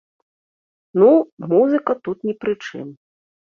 Ну, музыка тут ні пры чым.